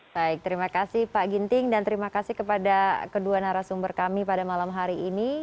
baik terima kasih pak ginting dan terima kasih kepada kedua narasumber kami pada malam hari ini